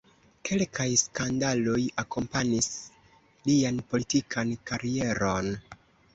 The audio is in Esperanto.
Kelkaj skandaloj akompanis lian politikan karieron.